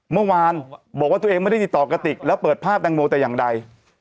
เมื่อวานบอกว่าตัวเองไม่ได้ติดต่อกระติกแล้วเปิดภาพแตงโมแต่อย่างใด